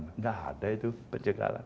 tidak ada itu pencegahan